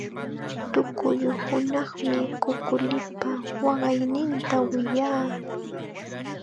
Tukuy hunaqmi kukulipa waqayninta wiyaa.